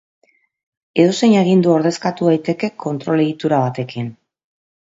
Edozein agindu ordezkatu daiteke kontrol egitura batekin.